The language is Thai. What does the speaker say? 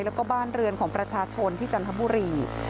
แล้วก็บ้านเรือนของประชาชนที่จันทบุรี